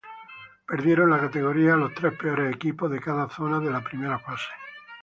Perdieron la categoría los tres peores equipos de cada zona de la Primera fase.